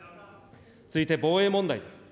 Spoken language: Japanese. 続いて防衛問題です。